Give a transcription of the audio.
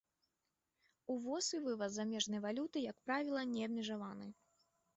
Увоз і вываз замежнай валюты, як правіла, не абмежаваны.